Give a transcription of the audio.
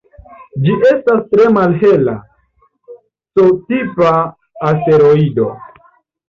Ĝi estas tre malhela C-tipa asteroido.